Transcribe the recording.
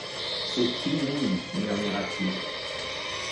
C'est inouï, murmura-t-il.